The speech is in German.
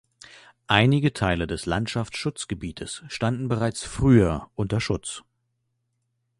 Einige Teile des Landschaftsschutzgebietes standen bereits früher unter Schutz.